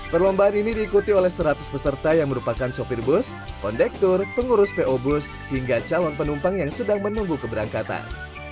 perlombaan ini diikuti oleh seratus peserta yang merupakan sopir bus kondektur pengurus po bus hingga calon penumpang yang sedang menunggu keberangkatan